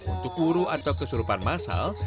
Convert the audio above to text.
untuk wuru atau kesurupan masal